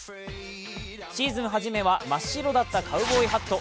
シーズン初めは真っ白だったカウボーイハット。